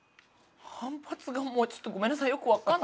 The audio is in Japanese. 反発がちょっとごめんなさいよく分かんないです。